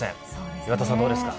岩田さん、どうですか？